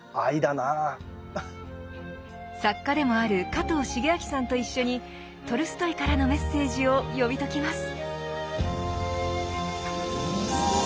作家でもある加藤シゲアキさんと一緒にトルストイからのメッセージを読み解きます。